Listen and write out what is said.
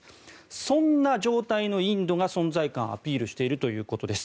そんな状態のインドが存在感をアピールしているということです。